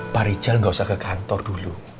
pak rijal nggak usah ke kantor dulu